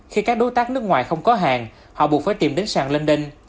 khi các đối tác nước ngoài không có hàng họ buộc phải tìm đến sàn london